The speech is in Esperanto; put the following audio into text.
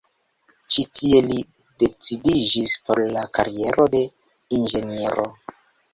Ĉi tie li decidiĝis por la kariero de Inĝeniero.